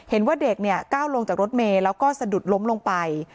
เห็นว่าเด็กเนี่ยก้าวลงจากรถเมย์แล้วก็สะดุดล้มลงไป